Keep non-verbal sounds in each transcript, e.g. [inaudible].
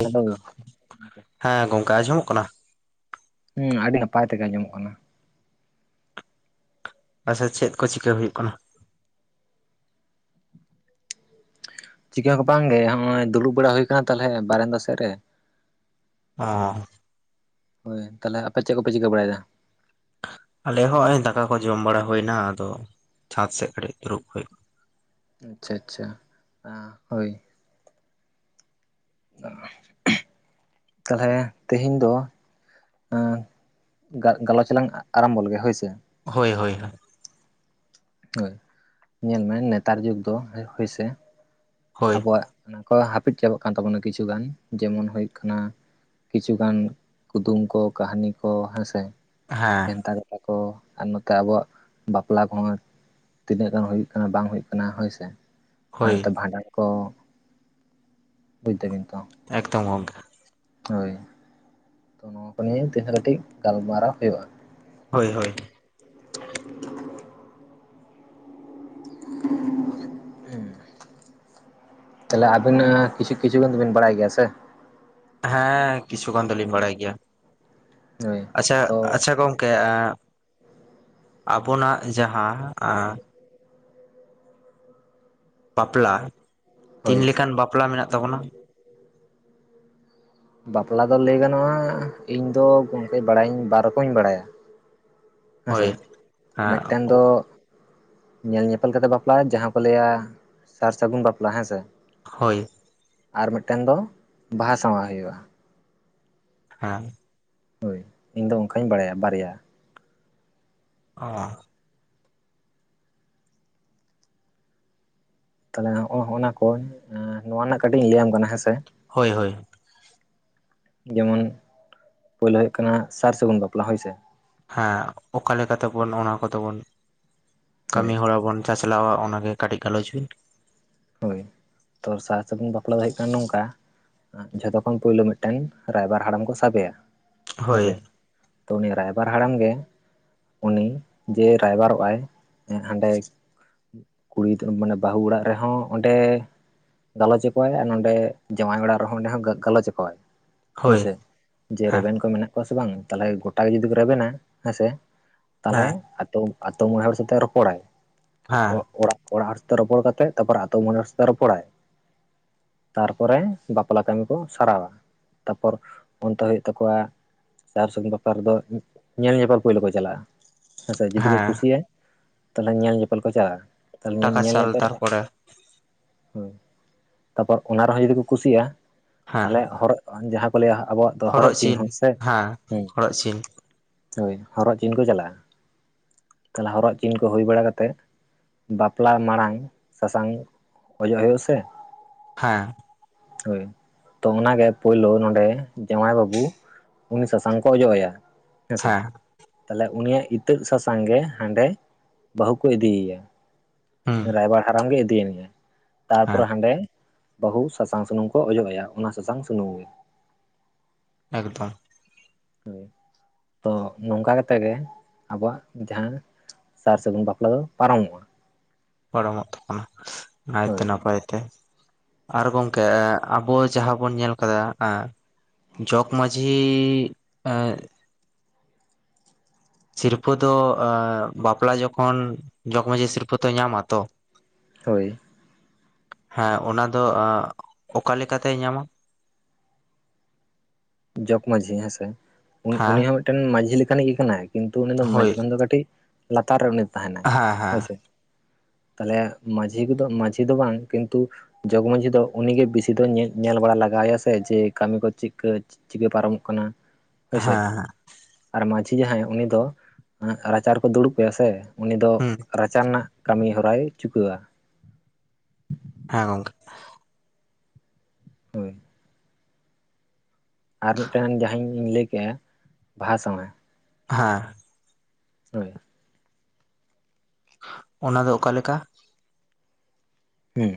Hello ᱦᱮᱸ ᱜᱚᱝᱠᱮ ᱟᱸᱡᱚᱢᱚᱜ ᱠᱟᱱᱟ ᱦᱮᱸ ᱟᱹᱰᱤ ᱱᱟᱯᱟᱭ ᱛᱮᱜᱮ ᱟᱸᱡᱚᱢᱚᱜ ᱠᱟᱱᱟ ᱟᱪᱪᱷᱟ ᱪᱮᱫ ᱠᱚ ᱪᱤᱠᱟᱹ ᱦᱩᱭᱩᱜ ᱠᱟᱱᱟ ᱪᱤᱠᱟᱹᱦᱚ ᱵᱟᱝᱜᱮ ᱱᱚᱜᱼᱚᱭ ᱫᱩᱲᱩᱵ ᱵᱟᱲᱟ ᱦᱩᱭ ᱠᱟᱱᱟ ᱛᱟᱦᱚᱞᱮ ᱵᱟᱨᱮᱱ ᱫᱟ ᱥᱮᱫ ᱨᱮ ᱦ ᱦᱳᱭ ᱛᱟᱦᱞᱮ ᱟᱯᱮ ᱪᱮᱫ ᱠᱚᱯᱮ ᱪᱤᱠᱟᱹ ᱵᱟᱲᱟᱭᱮᱫᱟ ᱟᱞᱮ ᱦᱚᱸᱜᱚᱭ ᱫᱟᱠᱟ ᱠᱚ ᱡᱚᱢ ᱵᱟᱲᱟ ᱦᱩᱭ ᱮᱱᱟ ᱟᱫᱚ ᱪᱷᱟᱸᱫᱽ ᱥᱮᱫ ᱠᱟᱹᱴᱤᱡ ᱫᱩᱲᱩᱵ ᱦᱩᱭ ᱟᱪᱪᱷᱟ ᱟᱪᱪᱷᱟ ᱦᱳᱭ ᱛᱟᱦᱞᱮ ᱛᱮᱦᱮᱧ ᱫᱚ ᱜᱟᱞᱚᱪ ᱞᱝ ᱟᱨᱟᱢᱵᱚ ᱞᱮᱜᱮ ᱦᱳᱭᱥᱮ ᱦᱳᱭ ᱦᱳᱭᱳ ᱦᱳᱭ ᱧᱮᱞᱢᱮ ᱱᱮᱛᱟᱨ ᱡᱩᱜᱽ ᱫᱚ ᱦᱳᱭᱥᱮ ᱦᱳᱭ ᱟᱵᱚᱣᱟᱜ ᱦᱟᱹᱯᱤᱫ ᱪᱟᱵᱟᱜ ᱠᱟᱱ ᱛᱟᱵᱚᱱᱟ ᱠᱤᱪᱷᱩ ᱜᱟᱱ ᱡᱮᱢᱚᱱ ᱦᱩᱭᱩᱜ ᱠᱟᱱᱟ ᱠᱤᱪᱷᱩᱜᱟᱱ ᱠᱩᱫᱩᱢ ᱠᱚ ᱠᱟᱹᱦᱟᱱᱤ ᱠᱚ ᱦᱮᱸᱥᱮ ᱦᱮᱸ ᱵᱷᱮᱱᱛᱟ ᱠᱟᱛᱷᱟ ᱠᱚ ᱟᱨ ᱱᱚᱛᱮ ᱟᱵᱚᱣᱟᱜ ᱵᱟᱯᱞᱟ ᱠᱚᱦᱚᱸ ᱛᱤᱱᱟᱹᱜ ᱜᱟᱱ ᱦᱩᱭᱩᱜ ᱠᱟᱱᱟ ᱵᱟᱝ ᱦᱩᱭᱩᱜ ᱠᱟᱱᱟ ᱦᱳᱭᱥᱮ ᱟᱨ ᱦᱳᱭ ᱱᱚᱛᱮ ᱵᱷᱟᱸᱰᱟᱱ ᱠᱚ ᱵᱩᱡ ᱫᱟᱹᱵᱤᱱ ᱛᱚ ᱮᱠᱫᱚᱢ ᱜᱚᱢᱠᱮ ᱦᱳᱭ ᱛᱚ ᱱᱚᱣᱟ ᱠᱚ ᱱᱤᱭᱮ ᱛᱮᱦᱮᱧ ᱠᱟᱹᱴᱤᱡ ᱜᱟᱞᱢᱟᱨᱟᱣ ᱦᱩᱭᱩᱜᱼᱟ ᱦᱳᱭ ᱦᱳᱭ [inaudible] ᱦᱮᱸ ᱛᱟᱦᱞᱮ ᱟᱹᱵᱤᱱ ᱠᱤᱪᱷᱩ ᱠᱤᱪᱷᱩ ᱜᱟᱱ ᱫᱚᱵᱤᱱ ᱵᱟᱲᱟᱭ ᱜᱮᱭᱟ ᱥᱮ ᱦᱮᱸ ᱠᱤᱪᱷᱩᱩᱜᱟᱱ ᱫᱚᱞᱤᱧ ᱵᱟᱲᱟᱭ ᱜᱮᱭᱟ ᱦᱳᱭ ᱟᱪᱪᱷᱟ ᱛᱚ ᱟᱪᱪᱷᱟ ᱜᱚᱝᱠᱮ ᱟᱵᱚᱱᱟᱜ ᱡᱟᱦᱟᱸ ᱵᱟᱯᱞᱟ ᱛᱤᱱ ᱦᱳᱭ ᱞᱮᱠᱟᱱ ᱵᱟᱯᱞᱟ ᱢᱮᱱᱟᱜ ᱛᱟᱵᱚᱱᱟ? ᱵᱟᱯᱞᱟ ᱫᱚ ᱞᱟᱹᱭ ᱜᱟᱱᱚᱜᱼᱟ᱾ ᱤᱧᱫᱚ ᱜᱚᱢᱠᱮ ᱵᱟᱲᱟᱭᱧ ᱵᱟᱨ ᱨᱚᱠᱚᱢᱧ ᱵᱟᱲᱟᱭᱟ᱾ ᱦᱮᱸᱥᱮ ᱦᱳᱭ ᱦᱮᱸ ᱢᱤᱫᱴᱮᱱ ᱫᱚ ᱧᱮᱞ ᱧᱮᱯᱮᱞ ᱠᱟᱛᱮ ᱵᱟᱯᱞ ᱡᱟᱦᱟᱸ ᱠᱚ ᱞᱟᱹᱭᱟ ᱥᱟᱨ ᱥᱟᱹᱜᱩᱱ ᱵᱟᱯᱞᱟ ᱦᱮᱸ ᱥᱮ ᱦᱳᱭ ᱟᱨ ᱢᱤᱫᱴᱮᱱ ᱫᱚ ᱵᱟᱦᱟ ᱥᱟᱶᱟ ᱦᱩᱭᱩᱜᱼᱟ᱾ ᱦᱮᱸ ᱦᱳᱭ ᱤᱧᱫᱚ ᱚᱱᱠᱟᱧ ᱵᱟᱲᱟᱭᱟ ᱵᱟᱨᱭᱟ᱾ ᱚ ᱛᱟᱦᱚᱞᱮ ᱦᱚᱜᱼ ᱱᱟ ᱠᱚ ᱱᱚᱣᱟ ᱨᱮᱱᱟᱜ ᱠᱟᱹᱴᱤᱡ ᱤᱧ ᱞᱟᱹᱭᱟᱢ ᱠᱟᱱᱟ ᱦᱮᱸᱥᱮ ᱦᱳᱭ ᱦᱳᱭ ᱡᱮᱢᱚᱱ ᱯᱳᱭᱞᱳ ᱦᱩᱭᱩᱜ ᱠᱟᱱᱟ ᱥᱟᱨ ᱥᱟᱹᱜᱩᱱ ᱵᱟᱯᱞᱟ ᱦᱳᱭᱥᱮ ᱦᱮᱸ ᱚᱠᱟ ᱞᱮᱠᱟ ᱛᱮᱵᱚᱱ ᱚᱱᱟ ᱠᱚᱫᱚ ᱵᱚᱱ ᱠᱟᱹᱢᱤ ᱦᱳᱭ ᱦᱚᱨᱟ ᱵᱚᱱ ᱪᱟᱪᱞᱟᱣᱼᱟ ᱚᱱᱟᱜᱮ ᱠᱟᱹᱴᱤᱡ ᱜᱟᱞᱚᱪ ᱵᱤᱱ᱾ ᱦᱳᱭ ᱛᱚ ᱥᱟᱨ ᱥᱟᱹᱜᱩᱱ ᱵᱟᱯᱞᱟ ᱫᱚ ᱦᱩᱭᱩᱜ ᱠᱟᱱᱟ, ᱱᱚᱝᱠᱟ ᱡᱷᱚᱛᱚ ᱠᱷᱚᱱ ᱯᱳᱭᱞᱳ ᱢᱤᱫᱴᱮᱱ ᱨᱟᱭᱵᱟᱨ ᱦᱟᱲᱟᱢ ᱠᱚ ᱥᱟᱵᱮᱭᱟ ᱦᱳᱭᱥᱮ ᱦᱳᱭ ᱛᱚ ᱩᱱᱤ ᱨᱟᱭᱵᱟᱨ ᱦᱟᱲᱟᱢ ᱜᱮ ᱩᱱᱤ ᱡᱮ ᱨᱟᱭᱵᱟᱨᱚᱜᱼ ᱟᱭ ᱦᱟᱸᱰᱮ ᱠᱩᱲᱤ ᱢᱟᱱᱮ ᱵᱟᱹᱦᱩ ᱚᱲᱟᱜ ᱨᱮᱦᱚᱸ ᱚᱸᱰᱮ ᱜᱟᱞᱚᱪ ᱟᱠᱚᱣᱟᱭ ᱟᱨ ᱱᱚᱸᱰᱮ ᱡᱟᱶᱟᱭ ᱚᱲᱟᱜ ᱨᱮᱦᱚᱸ ᱚᱸᱰᱮ ᱦᱚᱸ ᱜᱟᱞᱚᱪ ᱟᱠᱚᱣᱟᱭ ᱦᱳᱭᱥᱮ ᱡᱮ ᱨᱮᱵᱮᱱ ᱠᱚ ᱢᱮᱱᱟᱜ ᱠᱚᱣᱟ ᱥᱮ ᱵᱟᱝ ᱛᱟᱦᱞᱮ ᱜᱚᱴᱟ ᱜᱮ ᱡᱩᱫᱤ ᱠᱚ ᱨᱮᱵᱮᱱᱟ ᱦᱮᱸᱥᱮ ᱛᱟᱞᱦᱮ ᱟᱹᱛᱩ, ᱟᱹᱛᱩ ᱢᱚᱬᱮ ᱦᱚᱲ ᱥᱟᱛᱮ ᱨᱚᱯᱚᱲᱟᱭ᱾ ᱚᱲᱟᱜ ᱚᱲᱟᱜ ᱛᱚ ᱨᱚᱯᱚᱲ ᱠᱟᱛᱮᱜ ᱛᱟᱯᱚᱨ ᱟᱛᱳ ᱢᱚᱬᱮ ᱦᱚᱲ ᱥᱟᱛᱮ ᱨᱚᱯᱚᱲᱟᱭ ᱛᱟᱨᱯᱚᱨᱮ ᱵᱟᱯᱞᱟ ᱠᱟᱹᱢᱤ ᱠᱚ ᱥᱟᱨᱟᱣᱟ ᱛᱟᱨᱯᱚᱨ ᱚᱱᱛᱮ ᱦᱳᱭᱳᱜ ᱛᱟᱠᱚᱣᱟ᱾ ᱥᱟᱨ ᱥᱟᱹᱜᱩᱱ ᱵᱟᱯᱞᱟ ᱨᱮᱫᱚ ᱧᱮᱞ ᱧᱮᱯᱮᱞ ᱯᱳᱭᱞᱳ ᱠᱚ ᱪᱟᱞᱟᱜᱼᱟ᱾ ᱦᱮᱸᱥᱮ ᱡᱩᱫᱤ ᱠᱚ ᱠᱩᱥᱤᱭᱟᱭ ᱛᱟᱦᱚᱞᱮ ᱧᱮᱞ ᱧᱮᱯᱮᱞ ᱠᱚ ᱪᱟᱞᱟᱜᱼᱟ ᱛᱟᱦᱚᱞᱮ ᱧᱮᱞ ᱧᱮᱯᱮᱞ ᱨᱮᱱᱟᱜ ᱦᱳᱭ ᱛᱟᱯᱚᱨ ᱚᱱᱟ ᱨᱮᱦᱚᱸ ᱡᱩᱫᱤ ᱠᱚ ᱠᱩᱥᱤᱭᱟ ᱛᱟᱦᱞᱮ ᱦᱚᱨᱚᱜ ᱡᱟᱦᱟᱸ ᱠᱚ ᱞᱮᱭᱟ ᱟᱵᱚᱣᱟᱜ ᱫᱚ ᱦᱚᱨᱚᱜ ᱪᱤᱱ ᱦᱚᱸ ᱥᱮ ᱦᱮᱸ ᱦᱳᱭ ᱦᱚᱨᱚᱜ ᱪᱤᱱ ᱠᱚ ᱪᱟᱞᱟᱜᱼᱟ᱾ ᱛᱟᱞᱦᱮ ᱦᱚᱨᱚᱜ ᱪᱤᱱ ᱠᱚ ᱦᱩᱭ ᱵᱟᱲᱟ ᱠᱟᱛᱮ ᱵᱟᱯᱞᱟ ᱢᱟᱲᱟᱝ ᱥᱟᱥᱟᱝ ᱚᱡᱚᱜ ᱦᱳᱭᱳᱜ- ᱟ ᱥᱮ ᱦᱮᱸ ᱦᱳᱭ ᱛᱚ ᱚᱱᱟᱜᱮ ᱯᱳᱭᱞᱳ ᱱᱚᱸᱰᱮ ᱡᱟᱶᱟᱭ ᱵᱟᱹᱵᱩ ᱩᱱᱤ ᱥᱟᱥᱟᱝ ᱠᱚ ᱚᱡᱚᱜ ᱟᱭᱟ ᱦᱮᱸᱥ᱾ ᱦᱮᱸ ᱛᱟᱦᱞᱮ ᱩᱱᱤᱭᱟᱜ ᱤᱛᱟᱹᱜ ᱥᱟᱥᱟᱝ ᱜᱮ ᱦᱟᱸᱰᱮ ᱵᱟᱹᱦᱩ ᱠᱚ ᱤᱫᱤᱭᱟᱭᱟ ᱦᱩᱸ ᱨᱟᱭᱵᱟᱨ ᱦᱟᱲᱟᱢ ᱜᱮ ᱤᱫ ᱦᱮᱸ ᱛᱟᱨᱯᱚᱨᱮ ᱦᱟᱸᱰᱮ ᱵᱟᱹᱦᱩ ᱥᱟᱥᱟᱝ ᱥᱩᱱᱩᱢ ᱠᱚ ᱚᱡᱚᱜ ᱟᱭᱟ ᱚᱱᱟ ᱥᱟᱥᱟᱝ ᱥᱩᱱᱩᱢ ᱜᱮ ᱮᱠᱫᱚᱢ ᱦᱭ ᱛᱚ ᱱᱚᱝᱠᱟ ᱠᱟᱛᱮ ᱜᱮ ᱟᱵᱚᱣᱟᱜ ᱡᱟᱦᱟᱸ ᱥᱟᱨ ᱥᱟᱹᱜᱩᱱ ᱵᱟᱯᱞᱟ ᱫᱚ ᱯᱟᱨᱚᱢᱚᱜᱼᱟ᱾ ᱯᱟᱨᱚᱢᱚᱜ ᱛᱟᱵᱚᱱᱟ ᱱᱟᱭᱛᱮ ᱦᱳᱭ ᱱᱟᱯᱟᱭ ᱛᱮ ᱟᱨ ᱜᱚᱢᱠᱮ ᱟᱵᱚ ᱡᱟᱦᱟᱸ ᱵᱚᱱ ᱧᱮᱞ ᱠᱟᱫᱟ ᱮᱸ ᱡᱚᱜᱽ ᱢᱺᱡᱷᱤ ᱮ ᱥᱤᱨᱯᱟᱹ ᱫᱚ ᱵᱟᱯᱞᱟ ᱡᱚᱠᱷᱚᱱ ᱡᱚᱜ ᱢᱟᱹᱡᱷᱤ ᱥᱤᱨᱯᱟᱹ ᱛᱚ ᱧᱟᱢ ᱟ ᱛᱚ ᱦᱳᱭ ᱦᱮᱸ ᱚᱱᱟ ᱫᱚ ᱚᱠᱟ ᱞᱮᱠᱟᱛᱮ ᱧᱟᱢᱟ᱾ ᱡᱚᱜᱽᱢᱟᱺᱡᱷᱤ ᱦᱮᱸᱥᱮ᱾ ᱦᱮᱸ ᱩᱱᱤ ᱦᱚᱸ ᱢᱤᱫᱴᱮᱱ ᱢᱟᱺᱡᱷᱤ ᱞᱮᱠᱟᱱᱤᱡ ᱜᱮ ᱠᱟᱱᱟᱭ᱾ ᱠᱤᱱᱛᱩ ᱩᱱᱤ ᱫᱚ ᱦᱳᱭ ᱢᱟᱹᱡᱷᱤ ᱠᱷᱚᱱ ᱫᱚ ᱠᱟᱹᱴᱤᱡ ᱞᱟᱛᱟᱨ ᱨᱮ ᱩᱱᱤ ᱛᱟᱦᱮᱱᱟᱭ᱾ ᱦᱮᱸ ᱦᱮᱸ ᱦᱳᱭᱥᱮ ᱛᱟᱦᱚᱞᱮ ᱢᱟᱺᱡᱷᱤ ᱫᱚ ᱢᱟᱡᱷᱤ ᱫᱚ ᱵᱟᱝ ᱠᱤᱱᱛᱩ ᱡᱚᱜᱽ ᱢᱟᱺᱡᱷᱤ ᱫᱚ ᱩᱱᱤᱜᱮ ᱵᱮᱥᱤ ᱫᱚ ᱧᱮᱞ ᱧᱮᱞ ᱵᱟᱲᱟ ᱞᱟᱠ ᱨᱟᱭᱟᱥᱮ ᱡᱮ ᱠᱟᱹᱢᱤ ᱠᱚ ᱪᱤᱠᱟ. ᱪᱤᱠᱟᱹ ᱯᱟᱨᱚᱢᱚᱜ ᱠᱟᱱᱟ ᱦᱳᱭᱥᱮ ᱦᱮᱸ ᱟᱨ ᱢᱟ. ᱡᱷᱤ ᱡᱟᱦᱟᱸᱭ ᱩᱱᱤ ᱫᱚ ᱨᱟᱪᱟᱨ ᱨᱮ ᱠᱚ ᱫᱩᱲᱩᱵ ᱠᱟᱭᱟ ᱥᱮ ᱩᱱᱤ ᱫᱚ ᱦᱮᱸ ᱨᱟᱪᱟ ᱨᱮᱱᱟᱜ ᱠᱟᱹᱢᱤ ᱦᱚᱨᱟᱭ ᱪᱩᱠᱟᱹᱣᱟ ᱦᱮᱸ ᱜᱚᱢᱠᱮ ᱦᱳᱭ ᱟᱨ ᱢᱤᱫᱴᱟᱱ ᱡᱟᱦᱟ ᱤᱧᱤᱧ ᱞᱟᱹᱭ ᱠᱮᱜ- ᱟ ᱵᱟᱦᱟ ᱥᱟᱶᱟ ᱦᱮᱸ ᱦᱳ ᱚᱱᱟ ᱫᱚ ᱚᱠᱟ ᱞᱮᱠᱟ ᱦᱮᱸ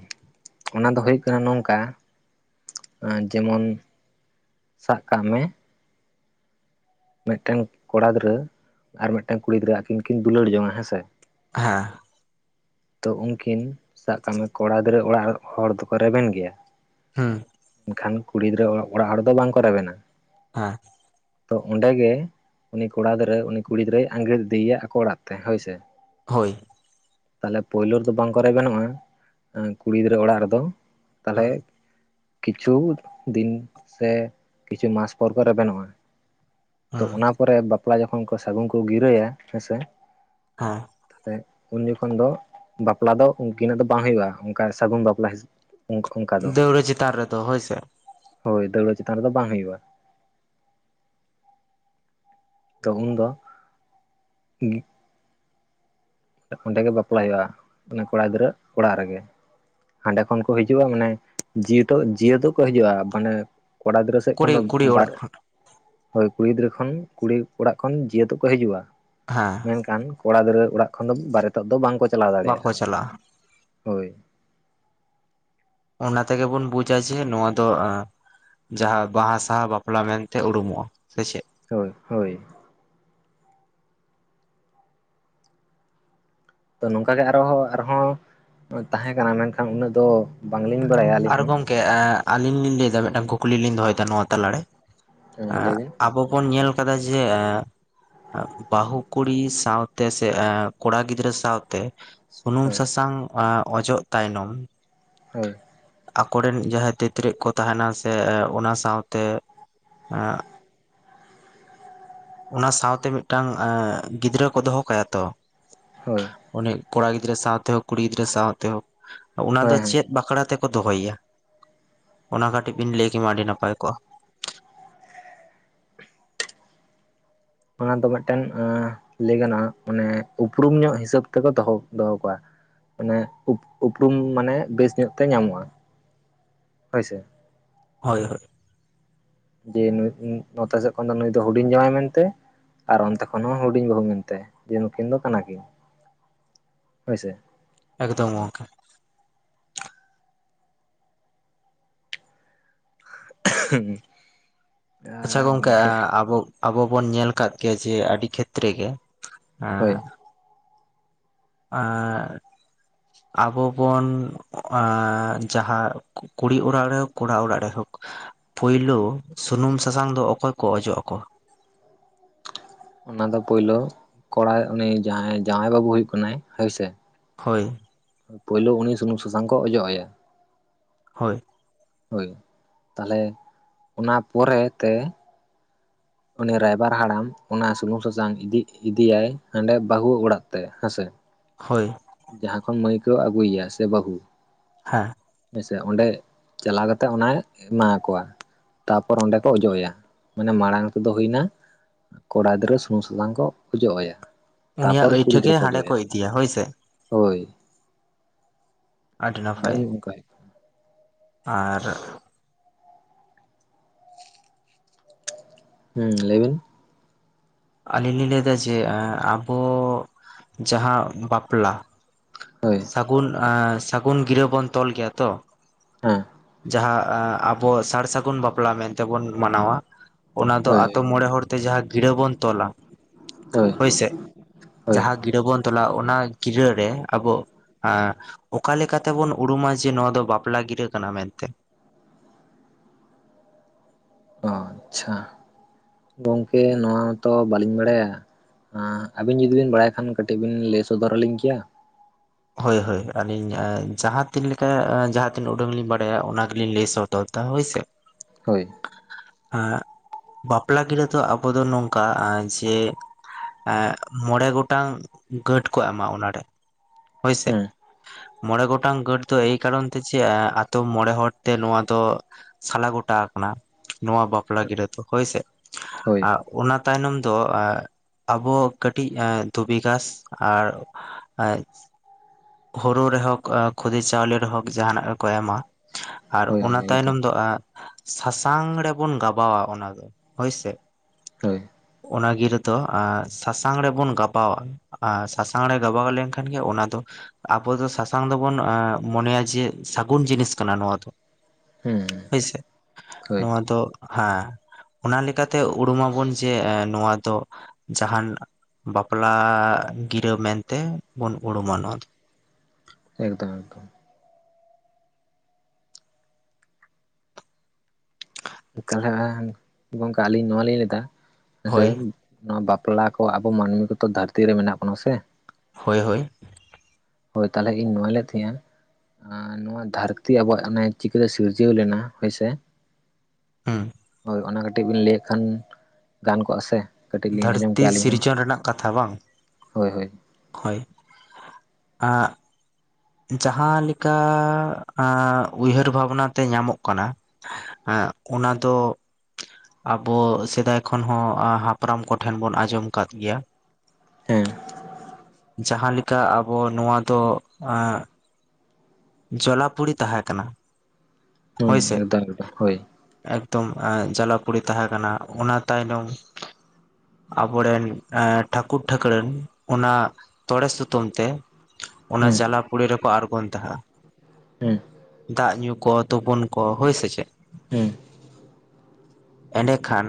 ᱚᱱᱟ ᱫᱚ ᱦᱩᱭᱩᱜ ᱠᱟᱱᱟ ᱱᱚᱝᱠᱟ ᱮᱸ ᱡᱮᱢᱚᱱ ᱥᱟᱵ ᱠᱟᱜ ᱢᱮ ᱢᱤᱫᱴᱟᱝ ᱠᱚᱲᱟ ᱜᱤᱫᱽᱨᱟᱹ ᱟᱨ ᱢᱤᱫᱴᱟᱝ ᱠᱩᱲᱤ ᱜᱤᱫᱽᱨᱟᱹ ᱟᱹᱠᱤᱱ ᱠᱤᱱ ᱫᱩᱞᱟᱹᱲ ᱡᱚᱝᱟ ᱦᱮᱸᱥᱮ ᱦᱮᱸ ᱛᱚ ᱩᱱᱠᱤᱱ ᱥᱟᱵ ᱠᱟᱜ ᱢᱮ ᱠᱚᱲᱟ ᱜᱤᱫᱽᱨᱟᱹ ᱚᱲᱟᱜ ᱨᱮᱱ ᱦᱚᱲ ᱫᱚᱠᱚ ᱨᱮᱵᱮᱱ ᱜᱮᱭᱟ ᱦᱩᱸ ᱢᱮᱱᱠᱷᱟᱱ ᱠᱩᱲᱤ ᱜᱤᱫᱽᱨᱟᱹ ᱚᱲᱟᱜ ᱦᱚᱲ ᱫᱚ ᱵᱟᱝᱠᱚ ᱨᱮᱵᱮᱱᱟ ᱦᱮᱸ ᱛᱚ ᱚᱸᱰᱮ ᱜᱮ ᱩᱱᱤ ᱠᱚᱲᱟ ᱜᱤᱫᱽᱨᱟᱹ ᱩᱱᱤ ᱠᱩᱲᱤ ᱜᱤᱫᱽᱨᱟᱹᱭ ᱟᱝᱜᱤᱨ ᱤᱫᱤᱭᱮᱭᱟ ᱟᱠᱚ ᱚᱲᱟᱜ ᱛᱮ ᱦᱳᱭ ᱥᱮ ᱦᱳᱭ ᱛᱟᱦᱚᱞᱮ ᱯᱳᱭᱞᱳ ᱨᱮᱫᱚ ᱵᱟᱝ ᱠᱚᱨᱮ ᱜᱟᱱᱚᱜᱼᱟ ᱠᱩᱲᱤ ᱜᱤᱫᱽᱨᱟᱹ ᱚᱲᱟᱜ ᱨᱮᱫᱚ ᱛᱟᱦᱚᱞᱮ ᱦᱩᱸ ᱠᱤᱪᱷᱩ ᱫᱤᱱ ᱥᱮ ᱠᱤᱪᱷᱩ ᱢᱟᱥ ᱯᱚᱨ ᱠᱚᱨᱮ ᱵᱮᱵᱮᱹᱱᱚᱜᱼᱟ ᱛᱚ ᱦᱩᱸ ᱚᱱᱟ ᱯᱚᱨᱮ ᱵᱟᱯᱞᱟ ᱡᱚᱠᱷᱚᱱ ᱥᱟᱹᱜᱩᱱ ᱠᱚ ᱜᱤᱨᱟᱹᱭᱟ ᱦᱮᱸᱥᱮ ᱦᱮᱸ ᱛᱟᱦᱚᱞᱮ ᱩᱱ ᱡᱚᱠᱷᱚᱱ ᱫᱚ ᱵᱟᱯᱞᱟ ᱫᱚ ᱩᱱᱠᱤᱱᱟᱜ ᱫᱚ ᱵᱟᱝ ᱦᱩᱭᱩᱜᱼᱟ ᱚᱱᱠᱟ ᱥᱟᱹᱜᱩᱱ ᱵᱟᱯᱞᱟ ᱦᱤᱥᱟᱹᱵ ᱛᱮ ᱫᱟᱹᱣᱲᱟᱹ ᱪᱮᱛᱟᱱ ᱨᱮᱫᱚ ᱦᱮ ᱥᱮ ᱦᱳᱭ ᱫᱟᱹᱣᱲᱟᱹ ᱪᱮᱛᱟᱱ ᱨᱮᱫᱚ ᱵᱟᱝ ᱦᱩᱭᱩᱜᱼᱟ ᱛᱚ ᱩᱱᱫᱚ ᱜᱤ ᱚᱸᱰᱮᱜᱮ ᱵᱟᱯᱞᱟ ᱦᱩᱭᱩᱜᱼᱟ ᱢᱟᱱᱮ ᱠᱚᱲᱟ ᱜᱤᱫᱽᱨᱟᱹ ᱚᱲᱟᱜ ᱨᱮᱜᱮ ᱦᱟᱸᱰᱮ ᱠᱷᱚᱱ ᱠᱚ ᱦᱤᱡᱩᱜᱼᱟ ᱢᱟᱱᱮ ᱩᱱᱮ ᱡᱤᱭᱟᱹᱛ ᱫᱚ ᱡᱤᱭᱟᱹᱛ ᱠᱚ ᱦᱤᱡᱩᱜᱼᱟ ᱢᱟᱱᱮ ᱠᱚᱲᱟ ᱜᱤᱫᱽᱨᱟᱹ ᱥᱮᱮᱫ ᱠᱷᱚᱱ ᱠᱩᱲᱤ ᱫᱚ ᱠᱩᱲᱤ ᱵᱟᱨ ᱚᱲᱟᱜ ᱦᱳᱭ ᱠᱩᱲᱤ ᱜᱤᱫᱽᱨᱟᱹ ᱠᱷᱚᱱ ᱠᱩᱲᱤ ᱚᱲᱟᱜ ᱠᱷᱚᱱ ᱡᱮᱦᱩ ᱛᱚ ᱠᱚ ᱦᱤᱡᱩᱜᱼᱟ ᱦᱮᱸ ᱢᱮᱱᱠᱷᱟᱱ ᱠᱚᱲᱟ ᱜᱤᱫᱽᱨᱟᱹ ᱚᱲᱟᱜ ᱠᱷᱚᱱ ᱫᱚ ᱵᱟᱨᱮᱛᱚᱜ ᱫᱚ ᱵᱟᱝ ᱠᱚ ᱵᱟᱠᱚ ᱪᱟᱞᱟᱜᱼᱟ ᱦᱳᱭ ᱚᱱᱟ ᱛᱮᱜᱮ ᱵᱚᱱ ᱵᱩᱡᱟ ᱡᱮ ᱱᱚᱣᱟ ᱫᱚ ᱡᱟᱦᱟᱸ ᱵᱟᱦᱟ ᱥᱟᱶ ᱵᱟᱯᱞᱟ ᱢᱮᱱᱛᱮ ᱩᱨᱩᱢᱚᱜᱼᱟ ᱥᱮ ᱪᱮᱫ ᱦᱳᱭ ᱦᱳᱭ ᱛᱚ ᱱᱚᱝᱠᱟ ᱜᱮ ᱟᱨᱦᱚᱸ ᱛᱟᱦᱮᱸ ᱠᱟᱱᱟ ᱢᱮᱱᱠᱷᱟᱱ ᱩᱱᱟᱹᱜ ᱫᱚ ᱵᱟᱝᱞᱤᱧ ᱵᱟᱲᱟᱭᱟ ᱟᱹᱞᱤᱧ ᱟᱨ ᱦᱚᱸ ᱜᱚᱢᱠᱮ ᱟᱞᱤᱧ ᱞᱤᱧ ᱞᱟᱹᱭ ᱮᱫᱟ ᱢᱤᱫᱴᱟᱝ ᱠᱩᱠᱞᱤ ᱞᱤᱧ ᱫᱚᱦᱚᱭᱮᱫᱟ ᱱᱚᱣᱟ ᱛᱟᱞᱟᱨᱮ ᱦᱮᱸ ᱞᱟᱹᱭ ᱵᱤᱱ ᱟᱵᱚ ᱵᱚᱱ ᱧᱮᱞ ᱠᱟᱫᱟ ᱡᱮ ᱵᱟᱹᱦᱩ ᱠᱩᱲᱤ ᱥᱟᱶᱛᱮ ᱥᱮ ᱠᱚᱲᱟ ᱜᱤᱫᱽᱨᱟᱹ ᱥᱟᱶᱛᱮ ᱥᱩᱱᱩᱢ ᱦᱳᱭ ᱥᱟᱥᱟᱝ ᱚᱡᱚᱜ ᱛᱟᱭᱱᱚᱢ ᱦᱳᱭ ᱟᱠᱚᱨᱮᱱ ᱡᱟᱦᱟᱸᱭ ᱛᱤᱛᱨᱮᱡ ᱠᱚ ᱛᱟᱦᱮᱱᱟ ᱥᱮ ᱚᱱᱟ ᱥᱟᱶᱛᱮ ᱮ ᱚᱱᱟ ᱥᱟᱶᱛᱮ ᱢᱤᱫᱴᱟᱝ ᱜᱤᱫᱽᱨᱟᱹ ᱠᱚ ᱫᱚᱦᱚ ᱠᱟᱭᱟ ᱛᱚ ᱦᱳᱭ ᱩᱱᱤ ᱠᱚᱲᱟ ᱜᱤᱫᱽᱨᱟᱹ ᱥᱟᱶᱛᱮ ᱦᱚᱸ ᱠᱩᱲᱤ ᱜᱤᱫᱽᱨᱟᱹ ᱥᱟᱶᱛᱮ ᱦᱚᱸ ᱚᱱᱟ ᱫᱚ ᱦᱳᱭ ᱦᱳᱭ ᱪᱮᱫ ᱵᱟᱠᱷᱨᱟ ᱛᱮ ᱠᱚ ᱫᱚᱦᱚᱭᱟ ᱚᱱᱟ ᱠᱟᱹᱴᱤᱡ ᱵᱤᱱ ᱞᱟᱹᱭ ᱠᱮᱭᱟ ᱟᱹᱰᱤ ᱱᱟᱯᱟᱭ ᱠᱚᱜᱼᱟ ᱻ ᱚᱱᱟ ᱫᱚ ᱢᱤᱫᱴᱮᱱ ᱞᱟᱹᱭ ᱜᱟᱱᱚᱜᱼᱟ ᱢᱟᱱᱮ ᱩᱯᱨᱩᱢ ᱧᱚᱜ ᱦᱤᱥᱟᱹᱵ ᱛᱮᱠᱚ ᱫᱚᱦᱚ ᱫᱚᱦᱚ ᱠᱚᱣᱟ ᱢᱟᱱᱮ ᱩᱯᱨᱩᱢ ᱢᱟᱱᱮ ᱵᱮᱥ ᱧᱚᱜ ᱛᱮ ᱧᱟᱢᱚᱜᱼᱟ ᱦᱳᱭᱥᱮ ᱦᱳᱭ ᱦᱳᱭ ᱡᱮ ᱱᱚᱛᱮ ᱥᱮᱫ ᱠᱷᱚᱱ ᱫᱚ ᱱᱩᱭ ᱫᱚ ᱦᱩᱰᱤᱧ ᱡᱟᱶᱟᱭ ᱢᱮᱱᱛᱮ ᱟᱨ ᱚᱱᱛᱮ ᱠᱷᱚᱱ ᱦᱚᱸ ᱦᱩᱰᱤᱧ ᱵᱟᱹᱦᱩ ᱢᱮᱱᱛᱮ ᱡᱮ ᱱᱩᱠᱤᱱ ᱫᱚ ᱠᱟᱱᱟ ᱠᱤᱱ ᱦᱳᱭ ᱥᱮ ᱮᱠᱫᱚᱢ ᱚᱱᱠᱟ ᱦᱮᱸ ᱟᱪᱪᱷᱟ ᱜᱚᱝᱠᱮ ᱟᱵᱚ ᱟᱵᱚ ᱵᱚᱱ ᱧᱮᱞ ᱟᱠᱟᱫ ᱜᱮᱭᱟ ᱡᱮ ᱟᱹᱰᱤ ᱠᱷᱮᱛᱨᱮ ᱜᱮ ᱦᱳᱭ ᱦᱮᱸ ᱟᱨ ᱟᱵᱚ ᱵᱚᱱ ᱡᱟᱦᱟᱸ ᱠᱩᱲᱤ ᱚᱲᱟᱜ ᱨᱮ ᱠᱚᱲᱟ ᱚᱲᱟᱜ ᱨᱮᱦᱚᱸ ᱯᱳᱭᱞᱳ ᱥᱩᱱᱩᱢ ᱥᱟᱥᱟᱝ ᱫᱚ ᱚᱠᱚᱭ ᱠᱚ ᱚᱡᱚᱜ ᱟᱠᱚᱣᱟ ᱚᱱᱟ ᱫᱚ ᱯᱩᱭᱞᱳ ᱠᱚᱲᱟᱭ ᱩᱱᱤ ᱡᱟᱦᱟᱸᱭ ᱡᱟᱶᱟᱭ ᱵᱟᱹᱵᱩ ᱦᱩᱭᱩᱜ ᱠᱟᱱᱟᱭ ᱦᱳᱭᱥᱮ ᱦᱳᱭ ᱯᱩᱭᱞᱳ ᱩᱱᱤ ᱥᱩᱱᱩᱢ ᱥᱟᱥᱟᱝ ᱠᱚ ᱚᱡᱚᱜ ᱟᱭᱟ ᱦᱳᱭ ᱦᱳᱭ ᱛᱟᱦᱚᱞᱮ ᱚᱱᱟ ᱯᱚᱨᱮᱛᱮ ᱩᱱᱤ ᱨᱟᱭᱵᱟᱨ ᱦᱟᱲᱟᱢ ᱚᱱᱟ ᱥᱩᱱᱩᱢ ᱥᱟᱥᱟᱝᱤᱫᱤ ᱤᱫᱤᱭᱟᱭ ᱦᱟᱸᱰᱮ ᱵᱟᱦᱩ ᱚᱲᱟᱜ ᱛᱮ ᱦᱮᱸᱥᱮ ᱦᱳᱭ ᱡᱟᱦᱟᱸ ᱠᱷᱚᱱ ᱢᱟᱹᱭ ᱠᱩ ᱟᱹᱜᱩᱭ-ᱭᱟ ᱥᱮ ᱵᱟᱹᱦᱩ ᱦᱮᱸ ᱦᱮᱸᱥᱮ ᱚᱱᱰᱮ ᱪᱟᱞᱟᱣ ᱠᱟᱛᱮᱜ ᱚᱱᱟᱭ ᱮᱢᱟ ᱠᱚᱣᱟ ᱛᱟᱯᱚᱨ ᱚᱸᱰᱮ ᱠᱚ ᱚᱡᱚᱜ ᱟᱭᱟ ᱢᱟᱱᱮ ᱢᱟᱲᱟᱝ ᱠᱚ ᱫᱚ ᱦᱩᱭᱱᱟ ᱠᱚᱲᱟ ᱜᱤᱫᱽᱨᱟᱹ ᱥᱩᱱᱩᱢ ᱥᱟᱥᱟᱝ ᱠᱚ ᱚᱡᱚᱜ ᱟᱭᱟ ᱛᱟᱯᱚᱨ ᱩᱱᱤᱭᱟᱜ ᱠᱩᱲᱤ ᱟᱹᱭᱴᱷᱟᱹ ᱜᱤᱫᱽᱨᱟᱹ ᱜᱮ ᱠᱚ ᱦᱟᱸᱰᱮ ᱚᱡᱚᱜ ᱟᱭᱟ ᱤᱫᱤᱭᱟ ᱦᱳᱭᱥᱮ ᱦᱳᱭ ᱟᱹᱰᱤ ᱱᱟᱯᱟᱭ ᱠᱟᱟᱭ ᱟᱨ ᱦᱮᱸ ᱞᱟᱹᱭᱵᱤᱱ ᱟᱹᱞᱤᱧ ᱞᱤᱧ ᱞᱟᱹᱭ ᱮᱫᱟ ᱡᱮ ᱟᱵᱚ ᱡᱟᱦᱟᱸ ᱵᱟᱯᱞᱟ ᱦᱳᱭ ᱥᱟᱹᱜᱩᱱ-ᱟ ᱥᱟᱹᱜᱩᱱ ᱜᱤᱨᱟᱹ ᱵᱚᱱ ᱛᱚᱞ ᱜᱮᱭᱟ ᱛᱚ ᱦᱮᱸ ᱡᱟᱦᱟᱸ ᱟᱵᱚ ᱥᱟᱨ ᱥᱟᱹᱜᱩᱱ ᱵᱟᱯᱞᱟ ᱢᱮᱱᱛᱮᱵᱚᱱ ᱢᱟᱱᱟᱣᱟ ᱚᱱᱟ ᱫᱚ ᱦᱳᱭ ᱟᱛᱳ ᱢᱚᱲᱮ ᱦᱚᱲᱛᱮ ᱡᱟᱦᱟᱸ ᱜᱤᱨᱟᱹ ᱵᱚᱱ ᱛᱚᱞᱟ ᱦᱳᱭ ᱦᱳᱭᱥᱮ ᱦᱳᱭ ᱡᱟᱦᱟᱸ ᱜᱤᱨᱟᱹ ᱵᱚᱱ ᱛᱚᱞᱟ ᱚᱱᱟ ᱜᱤᱨᱟᱹ ᱨᱮ ᱟᱵᱚ ᱟᱸᱦ ᱚᱠᱟ ᱞᱮᱠᱟᱛᱮᱵᱚᱱ ᱩᱨᱩᱢᱟ ᱡᱮ ᱱᱚᱣᱟ ᱫᱚ ᱵᱟᱯᱞᱟ ᱜᱤᱨᱟᱹ ᱠᱟᱱᱟ ᱢᱮᱱᱛᱮ ᱚᱦ ᱟᱪᱷᱟ ᱜᱚᱢᱠᱮ ᱱᱚᱣᱟ ᱛᱚ ᱵᱟᱞᱤᱧ ᱵᱟᱲᱟᱭᱟ ᱟᱸ ᱟᱵᱤᱱ ᱡᱩᱫᱤ ᱵᱤᱱ ᱵᱟᱲᱟᱭ ᱠᱷᱟᱱ ᱠᱟᱹᱴᱤᱡ ᱵᱤᱱ ᱞᱟᱹᱭ ᱥᱚᱫᱚᱨ ᱟᱹᱞᱤᱧ ᱠᱮᱭᱟ ᱦᱳᱭ ᱦᱳᱭ ᱟᱹᱞᱤᱧ ᱡᱟᱦᱟᱸ ᱛᱤᱱ ᱞᱮᱠᱟ ᱡᱟᱦᱟᱸᱛᱤᱱᱟᱹ ᱩᱰᱟᱹᱜ ᱞᱤᱧ ᱵᱟᱲᱟᱭᱟ ᱚᱱᱟᱜᱤᱞᱤᱧ ᱞᱟᱹᱭ ᱥᱚᱫᱚᱨ ᱛᱟ ᱦᱳᱭ ᱥᱮ ᱦᱳᱭ ᱟᱜ ᱵᱟᱯᱞᱟ ᱜᱤᱟᱹ ᱫᱚ ᱟᱵᱚ ᱫᱚ ᱱᱚᱝᱠᱟ ᱡᱮ ᱮ ᱢᱚᱬᱮᱸ ᱜᱚᱴᱟᱝ ᱜᱟᱹᱴ ᱠᱚ ᱮᱢᱟ ᱚᱱᱟᱨᱮ ᱦᱳᱭᱥᱮ ᱦᱮᱸ ᱢᱚᱬᱮᱸ ᱜᱚᱴᱟᱝ ᱜᱟᱹᱴ ᱫᱚ ᱮᱭ ᱠᱟᱨᱚᱱ ᱛᱮ ᱪᱮ ᱟᱛᱳ ᱢᱚᱬᱮᱸ ᱦᱚᱲ ᱛᱮ ᱱᱚᱣᱟ ᱫᱚ ᱥᱟᱞᱟ ᱜᱚᱴᱟ ᱱᱚᱣᱟ ᱵᱟᱯᱞᱟ ᱜᱤᱨᱟᱹ ᱫᱚ ᱦᱳᱭᱥᱮ ᱦᱳᱭ ᱟᱻ ᱚᱱᱟ ᱛᱟᱭᱱᱚᱢ ᱫᱚ ᱟᱵᱚ ᱠᱟᱹᱴᱤᱡ ᱫᱷᱩᱵᱤ ᱜᱷᱟᱸᱥ ᱟᱨ ᱦᱳᱲᱩ ᱨᱮᱦᱳᱠᱚ ᱠᱷᱩᱫᱤ ᱪᱟᱣᱞᱮ ᱨᱮᱦᱳᱠᱚ ᱡᱟᱦᱟᱱᱟᱜ ᱨᱮᱠᱚ ᱮᱢᱟ ᱟᱨ ᱦᱳᱭ ᱚᱱᱟ ᱦᱳᱭ ᱛᱟᱭᱱᱚᱢ ᱮᱠᱫᱚᱢ ᱫᱚ ᱟᱸᱦ ᱥᱟᱥᱟᱝ ᱨᱮᱵᱚᱱ ᱜᱟᱵᱟᱣᱟ ᱚᱱᱟ ᱫᱚ ᱦᱳᱭᱥᱮ ᱦᱳᱭ ᱚᱱᱟ ᱜᱤᱨᱟᱹ ᱫᱚ ᱥᱟᱥᱟᱝ ᱨᱮᱵᱚᱱ ᱜᱟᱵᱣᱟ ᱟᱨ ᱥᱟᱥᱟᱝ ᱨᱮ ᱜᱟᱵᱟᱣ ᱞᱮᱱᱠᱷᱟᱱ ᱜᱮ ᱚᱱᱟ ᱫᱚ ᱟᱵᱩ ᱫᱚ ᱥᱟᱥᱟᱝ ᱫᱚᱵᱩᱱ ᱢᱚᱱᱮᱭᱟ ᱡᱮ ᱥᱟᱹᱜᱩᱱ ᱡᱤᱱᱤᱥ ᱠᱟᱱᱟ ᱱᱚᱣᱟ ᱫᱚ ᱦᱩᱸ ᱦᱳᱭᱥᱮ ᱦᱳᱭ ᱱᱚᱣᱟ ᱫᱚ ᱦᱮᱸ ᱚᱱᱟ ᱞᱮᱠᱟᱛᱮ ᱩᱨᱩᱢᱟᱵᱚᱱ ᱡᱮ ᱱᱚᱣᱟ ᱫᱚ ᱡᱟᱦᱟᱱ ᱵᱟᱯᱞᱟ ᱜᱤᱨᱟᱹ ᱢᱮᱱᱛᱮ ᱵᱩᱱ ᱩᱨᱩᱢᱟ ᱱᱚᱣᱟ ᱫᱚ ᱮᱠᱫᱚᱢ ᱮᱠᱫᱚᱢ ᱚᱠᱟᱞᱮᱠᱟ ᱜᱚᱝᱠᱮ ᱟᱞᱤᱧ ᱱᱚᱣᱟᱞᱤᱧ ᱞᱟᱹᱭᱫᱟ ᱦᱮᱸᱥᱮ ᱦᱳᱭ ᱱᱚᱣᱟ ᱵᱟᱯᱞᱟ ᱵᱟᱯᱞᱟ ᱠᱚ ᱟᱵᱚ ᱢᱟᱹᱱᱢᱤ ᱠᱩᱫᱚ ᱫᱷᱟᱨᱛᱤ ᱨᱮ ᱢᱮᱱᱟᱜ ᱵᱚᱱᱟ ᱥᱮ ᱦᱳᱭ ᱦᱳᱭ ᱦᱳᱭ ᱛᱟᱦᱚᱞᱮ ᱤᱧ ᱱᱚᱣᱟ ᱞᱟᱹᱮᱫ ᱛᱟᱦᱮᱸᱼᱟ ᱟᱻ ᱱᱚᱣᱟ ᱫᱷᱟᱹᱨᱛᱤ ᱟᱵᱩᱣᱟᱜ ᱚᱱᱮ ᱪᱤᱠᱟᱹ ᱥᱤᱨᱡᱟᱹᱣ ᱞᱮᱱᱟ ᱦᱳᱭᱥᱮ ᱦᱳᱸ ᱦᱳᱭ ᱚᱱᱟ ᱠᱟᱹᱴᱤᱡ ᱵᱤᱱ ᱞᱟᱹᱭᱮ ᱠᱷᱟᱱ ᱜᱟᱱ ᱠᱚᱜᱼᱟ ᱥᱮ ᱠᱟᱹᱴᱤᱡ ᱞᱤᱧ ᱟᱸᱡᱚᱢ ᱫᱷᱟᱹᱨᱛᱤ ᱠᱮᱭᱟ ᱟᱹᱞᱤᱧ ᱦᱚᱸ ᱥᱤᱨᱡᱚᱱ ᱨᱮᱱᱟᱜ ᱠᱟᱛᱷᱟ ᱵᱟᱝ ᱦᱳᱭ ᱦᱳᱭ [inaudible] ᱟᱜ ᱡᱟᱦᱟᱸ ᱞᱮᱠᱟ ᱮᱜ ᱩᱭᱦᱟᱹᱨ ᱵᱷᱟᱵᱱᱟ ᱛᱮ ᱧᱟᱢᱚᱜ ᱠᱟᱱᱟ ᱮᱜ ᱮᱜ ᱚᱱᱟ ᱫᱚ ᱟᱵᱚ ᱥᱮᱫᱟᱭ ᱠᱷᱚᱱ ᱦᱚᱸ ᱦᱟᱯᱲᱟᱢ ᱠᱚᱴᱷᱮᱱ ᱵᱚᱱ ᱟᱸᱡᱚᱢ ᱠᱟᱫ ᱜᱮᱭᱟ ᱦᱮᱸ ᱡᱟᱦᱟᱸ ᱞᱮᱠᱟ ᱟᱵᱚ ᱱᱚᱣᱟ ᱫᱚ ᱮ ᱡᱚᱞᱟᱯᱩᱲᱤ ᱛᱟᱦᱮᱸ ᱠᱟᱱᱟ ᱦᱩᱸ ᱮᱫᱚᱢ ᱮᱫᱚᱢ ᱦᱳᱭ ᱮᱜ ᱡᱟᱞᱟᱯᱩᱨᱤ ᱛᱟᱦᱮᱸ ᱠᱟᱱᱟ ᱚᱱᱟ ᱛᱟᱭᱱᱚᱢ ᱟᱵᱚᱨᱮᱱ ᱮ ᱴᱷᱟᱹᱠᱩᱨ ᱴᱷᱟᱹᱠᱩᱨᱟᱹᱱ ᱚᱱᱟ ᱛᱚᱲᱮ ᱥᱩᱛᱟᱹᱢ ᱛᱮ ᱚᱱᱟ ᱦᱩᱸ ᱡᱟᱞᱟ ᱯᱩᱲᱤ ᱨᱮᱠᱚ ᱟᱬᱜᱚᱱ ᱛᱟᱦᱮᱸᱫᱼᱟ ᱦᱩᱸ ᱫᱟᱜ ᱧᱩ ᱠᱚ ᱦᱚᱯᱚᱱ ᱠᱚ ᱦᱳᱭ ᱥᱮᱪᱮᱫ ᱦᱩᱸ ᱮᱸᱰᱮᱠᱷᱟᱱ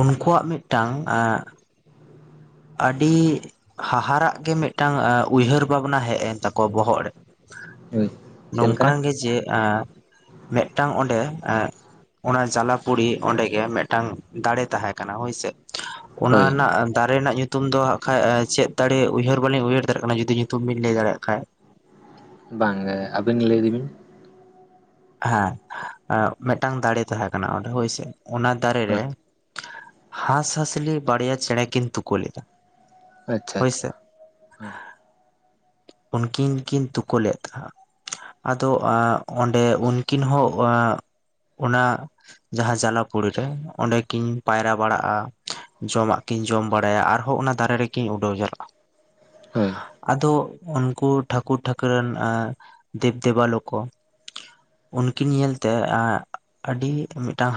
ᱩᱱᱠᱩᱣᱟᱜ ᱢᱤᱫᱴᱟᱝ ᱮᱜ ᱟᱹᱰᱤ ᱦᱟᱦᱟᱨᱟᱜ ᱜᱮ ᱢᱤᱫᱴᱟᱝ ᱮ ᱩᱭᱦᱟᱹᱨ ᱵᱷᱟᱵᱽᱱᱟ ᱦᱮᱡ ᱮᱱ ᱛᱟᱠᱚᱣᱟ ᱵᱚᱦᱚᱜ ᱨᱮ ᱦᱳᱭ ᱪᱮᱫ ᱞᱮᱠᱟ ᱱᱚᱝᱠᱟᱱ ᱜᱮ ᱡᱮ ᱮ ᱢᱤᱫᱴᱟᱝ ᱚᱸᱰᱮ ᱮᱫ ᱚᱱᱟ ᱡᱟᱞᱟᱯᱩᱨᱤ ᱚᱸᱰᱮ ᱜᱮ ᱢᱤᱫᱴᱟᱝ ᱫᱟᱲᱮ ᱛᱟᱦᱮᱸ ᱠᱟᱱᱟ ᱦᱳᱭᱥᱮ ᱚᱱᱟ ᱦᱳᱭ ᱨᱮᱱᱟᱜ ᱫᱟᱨᱮ ᱨᱮᱱᱟᱜ ᱧᱩᱛᱩᱢ ᱧᱩᱛᱩᱢ ᱫᱚ ᱦᱟᱸᱜ ᱠᱷᱟᱡ ᱪᱮᱫ ᱫᱟᱲᱮ ᱩᱭᱦᱟᱹᱨ ᱵᱟᱞᱤᱧ ᱩᱭᱦᱟᱹᱨ ᱫᱟᱲᱮᱭᱟᱜ ᱠᱟᱱᱟ ᱡᱩᱫᱤ ᱧᱩᱛᱩᱢ ᱵᱤᱱ ᱞᱟᱹᱭ ᱫᱟᱲᱮᱭᱟᱜ ᱠᱷᱟᱡ ᱵᱟᱝ ᱜᱮ ᱟᱹᱵᱤᱱ ᱜᱮ ᱞᱟᱹᱭ ᱤᱫᱤ ᱵᱤᱱ ᱦᱮᱸ ᱮᱫ ᱢᱤᱫᱴᱟᱝ ᱫᱟᱲᱮ ᱛᱟᱸᱦᱮ ᱠᱟᱱᱟ ᱚᱸᱰᱮ ᱦᱳᱭᱥᱮ ᱚᱱᱟ ᱫᱟᱨᱮ ᱨᱮ ᱦᱮᱸ ᱦᱟᱸᱥᱦᱟᱸᱥᱞᱤ ᱵᱟᱲᱭᱟ ᱪᱮᱬᱮ ᱠᱤᱱ ᱛᱩᱠᱟᱹ ᱞᱮᱫᱟ ᱟᱪᱪᱷᱟ ᱟᱪᱪᱷᱟ ᱦᱳᱭᱥᱮ ᱦᱮᱸ ᱩᱱᱠᱤᱱ ᱠᱤᱱ ᱛᱩᱠᱳ ᱞᱮᱫ ᱫᱷᱟ ᱟᱫᱚ ᱮᱜ ᱚᱸᱰᱮ ᱩᱱᱠᱤᱱ ᱦᱚᱸ ᱮᱜ ᱚᱱᱟ ᱡᱟᱦᱟᱸ ᱡᱟᱞᱟᱯᱩᱲᱤ ᱨᱮ ᱚᱸᱰᱮ ᱠᱤᱱ ᱯᱟᱭᱨᱟ ᱵᱟᱲᱟᱜᱼᱟ ᱡᱚᱢᱟᱜ ᱠᱤᱱ ᱡᱚᱢ ᱵᱟᱲᱟᱭᱟ ᱟᱨᱦᱚᱸ ᱚᱱᱟ ᱫᱟᱨᱮ ᱨᱮᱠᱤᱱ ᱩᱰᱟᱹᱣ ᱪᱟᱞᱟᱜᱼᱟ ᱦᱳᱭ ᱟᱫᱚ ᱩᱱᱠᱩ ᱴᱷᱟᱹᱠᱩᱨ ᱴᱷᱟᱹᱠᱩᱨᱟᱱ ᱮ ᱫᱮᱵᱼ ᱫᱮᱵᱟᱞᱚ ᱠᱚ ᱩᱱᱠᱤᱱ ᱧᱮᱞᱛᱮ ᱮᱜ ᱟᱹᱰᱤ ᱢᱤᱫᱴᱟᱝ